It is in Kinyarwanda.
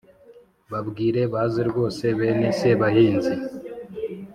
babwire baze rwose! bene sebahinzi